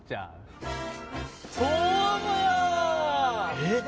えっ！？